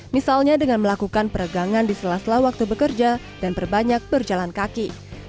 misalnya dengan melakukan peregangan di sela sela waktu bekerja dan berbanyak berjalan kaki